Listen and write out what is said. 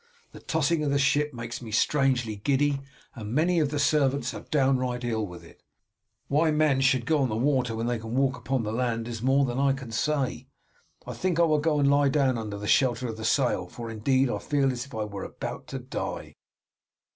The tossing of the ship makes me strangely giddy, and many of the servants are downright ill with it. Why men should go on the water when they can walk upon the land is more than I can say. I think I will go and lie down under the shelter of the sail, for indeed I feel as if I were about to die."